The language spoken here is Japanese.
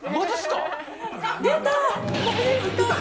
出た。